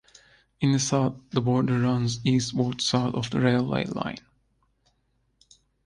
In the south, the border runs eastward south of the railway line.